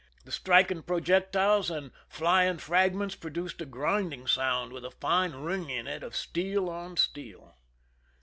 The striking projectiles and flying fragments / produced a grinding sound, with a fine ring in it of j steel on steel.